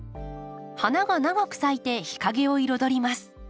花が長く咲いて日かげを彩ります。